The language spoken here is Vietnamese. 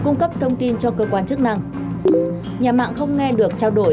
mà đi được nhanh hơn rồi